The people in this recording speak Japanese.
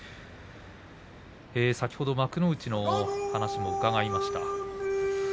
先ほど幕内の話を伺いました。